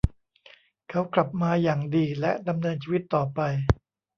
เขากลับมาอย่างดีและดำเนินชีวิตต่อไป